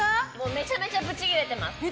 めちゃめちゃブチギレてます。